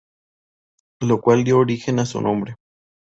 Lo cual dio origen a su nombre.